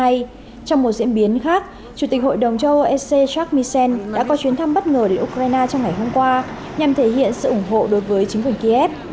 trong một diễn biến khác chủ tịch hội đồng châu âu ecm missels đã có chuyến thăm bất ngờ đến ukraine trong ngày hôm qua nhằm thể hiện sự ủng hộ đối với chính quyền kiev